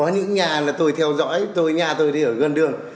những nhà là tôi theo dõi nhà tôi thì ở gần đường